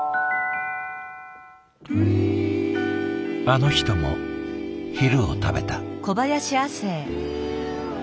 あの人も昼を食べた。